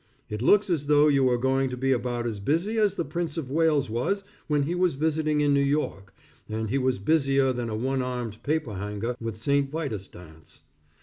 It looks as though you were going to be about as busy as the Prince of Wales was when he was visiting in New York, and he was busier than a one armed paper hanger with St. Vitus dance.